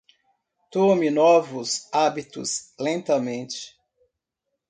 Tome novos hábitos lentamente.